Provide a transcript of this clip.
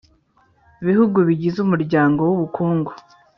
bihugu bigize Umuryango w Ubukungu